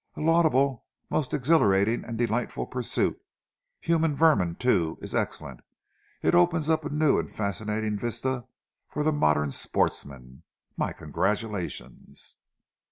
"A laudable, a most exhilarating and delightful pursuit! `human vermin,' too, is excellent. It opens up a new and fascinating vista for the modern sportsman. My congratulations!"